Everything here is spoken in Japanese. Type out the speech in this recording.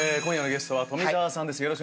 今夜のゲストは富澤さんです